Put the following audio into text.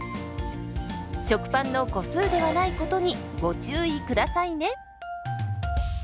食パンの個数ではないことにご注意下さいね。